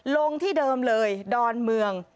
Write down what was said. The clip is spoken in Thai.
ลงที่เดิมเลยดอนเมือง